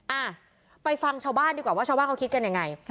อ่ะไปฟังชาวบ้านดีกว่าว่าชาวบ้านเขาคิดกันยังไง